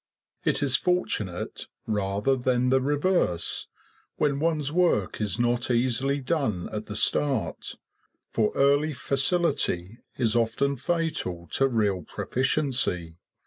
It is fortunate, rather than the reverse, when one's work is not easily done at the start; for early facility is often fatal to real proficiency.